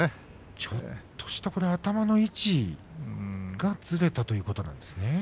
ちょっとした頭の位置がずれたということなんですね。